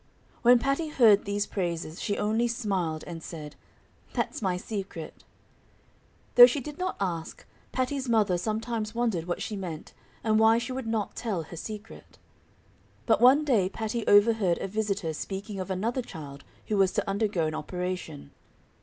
When Patty heard these praises she only smiled and said, "That's my secret." Though she did not ask, Patty's mother sometimes wondered what she meant and why she would not tell her secret. But one day Patty overheard a visitor speaking of another child who was to undergo an operation.